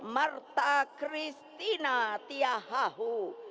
marta kristina tiahahu